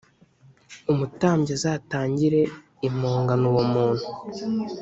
umutambyi azatangire impongano uwo muntu